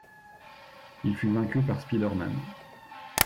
Il fut vaincu par Spider-Man.